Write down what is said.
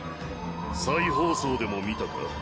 再放送でも見たか？